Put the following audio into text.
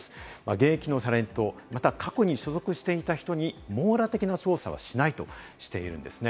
現役のタレント、また過去に所属していた人に網羅的な調査をしないとしているんですね。